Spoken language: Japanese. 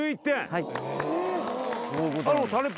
はい。